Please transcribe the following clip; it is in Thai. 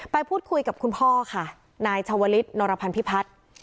ไปพูดคุยกับคุณพ่อค่ะนายชาวลิศนรพันธิพัฒน์